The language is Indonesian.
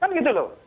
kan gitu loh